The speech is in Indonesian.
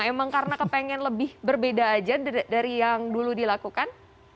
emang karena kepengen lebih berbeda aja dari yang dulu dilakukan